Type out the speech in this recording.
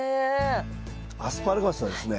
アスパラガスはですね